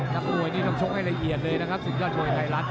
นักมวยนี่ต้องชกให้ละเอียดเลยนะครับศึกยอดมวยไทยรัฐ